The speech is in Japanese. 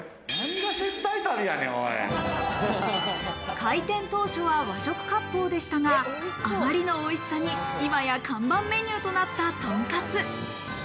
開店当初は和食割烹でしたが、あまりのおいしさに今や看板メニューとなったとんかつ。